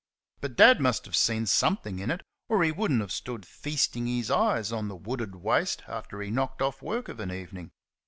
But Dad must have seen something in it, or he would n't have stood feasting his eyes on the wooded waste after he had knocked off work of an evening.